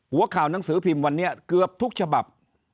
หัวข่าวหนังสือพิมพ์วันนี้เกือบทุกฉบับ